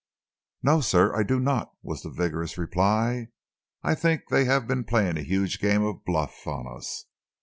"No, sir, I do not," was the vigorous reply. "I think they have been playing a huge game of bluff on us.